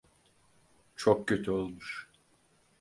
Çok kötü olmuş.